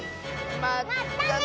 まったね！